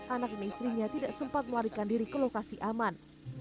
anak dan istrinya tidak sempat melarikan diri ke lokasi aman